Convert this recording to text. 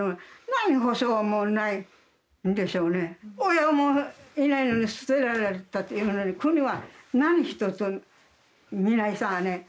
親もいないのに捨てられたというのに国は何一つみないさーね。